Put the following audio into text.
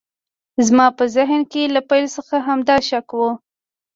زما په ذهن کې له پیل څخه همدا شک و